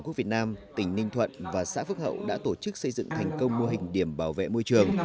tổ quốc việt nam tỉnh ninh thuận và xã phước hậu đã tổ chức xây dựng thành công mô hình điểm bảo vệ môi trường